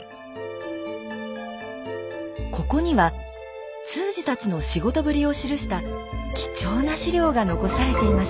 ここには通詞たちの仕事ぶりを記した貴重な史料が残されていました。